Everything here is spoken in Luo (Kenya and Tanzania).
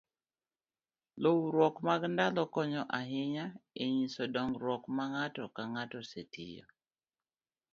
luwruok mag ndalo konyo ahinya e nyiso dongruok ma ng'ato kaka osetiyo